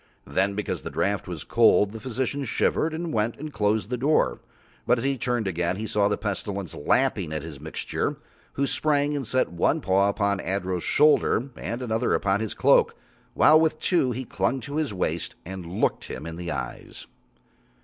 Then because the draught was cold the physician shivered and went and closed the door, but as he turned again he saw the Pestilence lapping at his mixing, who sprang and set one paw upon Adro's shoulder and another upon his cloak, while with two he clung to his waist, and looked him in the eyes.